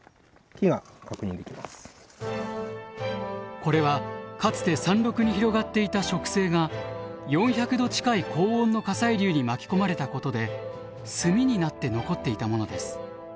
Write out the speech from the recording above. これはかつて山麓に広がっていた植生が４００度近い高温の火砕流に巻き込まれたことで炭になって残っていたものです。